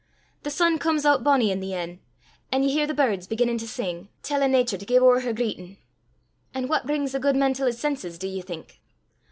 The sun comes oot bonnie i' the en', an' ye hear the birds beginnin' to sing, tellin' Natur to gie ower her greitin'. An' what brings the guid man til 's senses, div ye think?